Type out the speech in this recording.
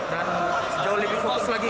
dan jauh lebih fokus lagi